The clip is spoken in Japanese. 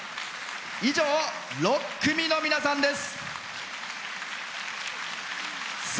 以上、６組の皆さんです。